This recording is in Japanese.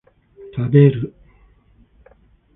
食べる